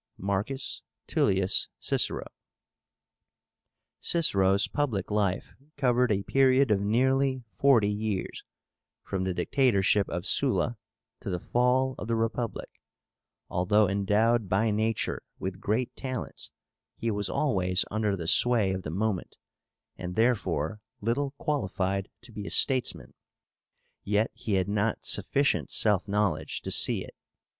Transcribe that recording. MARCUS TULLIUS CICERO. CICERO'S public life covered a period of nearly forty years, from the dictatorship of Sulla to the fall of the Republic. Although endowed by nature with great talents, he was always under the sway of the moment, and therefore little qualified to be a statesman; yet he had not sufficient self knowledge to see it.